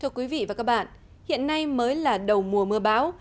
thưa quý vị và các bạn hiện nay mới là đầu mùa mưa bão